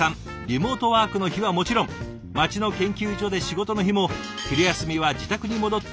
リモートワークの日はもちろん街の研究所で仕事の日も昼休みは自宅に戻っておうちごはん。